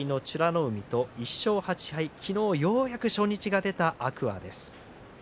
海と１勝８敗と昨日ようやく初日が出た、天空海です。